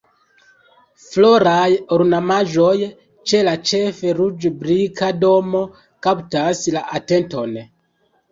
Floraj ornamaĵoj ĉe la ĉefe ruĝ-brika domo kaptas la atenton.